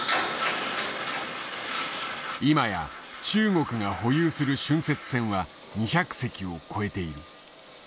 今や中国が保有する浚渫船は２００隻を超えている。